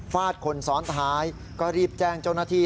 ฟาดคนซ้อนท้ายก็รีบแจ้งเจ้าหน้าที่